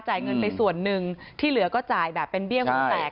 เงินไปส่วนหนึ่งที่เหลือก็จ่ายแบบเป็นเบี้ยวงแตก